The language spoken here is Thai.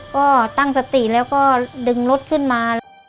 ก็ตั้งสติแล้วก็ดึงรถขึ้นมา